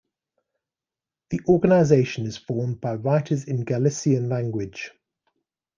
The organization is formed by writers in galician language.